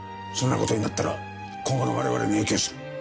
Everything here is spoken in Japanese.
そんな事になったら今後の我々に影響する。